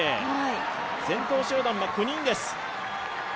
先頭集団は９人です。